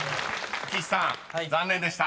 ［岸さん残念でした］